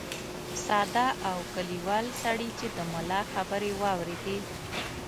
ساده او کلیوال سړي چې د ملا خبرې واورېدې.